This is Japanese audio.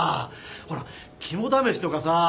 ほら肝試しとかさ